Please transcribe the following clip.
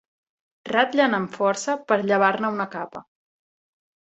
Ratllen amb força per llevar-ne una capa.